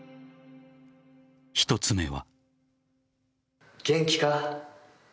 一つ目は。